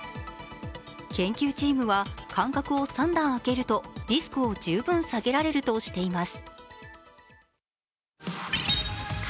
研究チームは間隔を３段空けるとリスクを十分下げられるとしています。